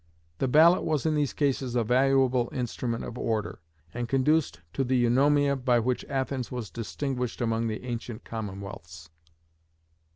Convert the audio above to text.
The ballot was in these cases a valuable instrument of order, and conduced to the Eunomia by which Athens was distinguished among the ancient commonwealths.